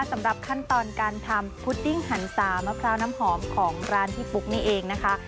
สำหรับขั้นตอนการทำพุดดิ้งหันสามะพร้าวน้ำหอมของร้านพี่ปุ๊กนี่เองนะคะ